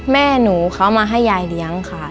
แม่หนูเขามาให้ยายเลี้ยงค่ะ